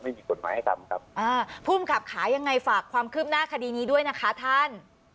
ไม่มีกฎหมายให้ทำครับอ่าภูมิกับขายังไงฝากความคืบหน้าคดีนี้ด้วยนะคะท่าน